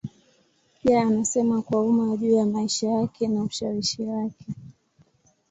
Pia anasema kwa umma juu ya maisha yake na ushawishi wake.